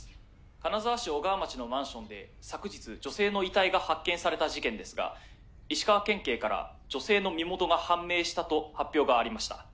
金沢市尾川町のマンションで昨日女性の遺体が発見された事件ですが石川県警から女性の身元が判明したと発表がありました。